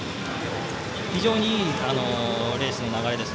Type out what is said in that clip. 非常にいいレースの流れです。